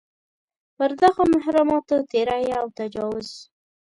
پر دغو محرماتو تېری او تجاوز.